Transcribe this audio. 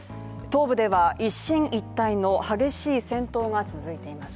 東部では一進一退の激しい戦闘が続いています。